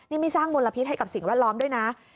นี่ไม่สร้างมลพิษให้กับสิ่งแวดล้อมด้วยนะ